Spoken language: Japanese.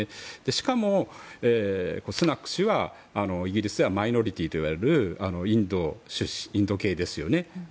しかもスナク氏はイギリスではマイノリティーといわれるインド系ですよね。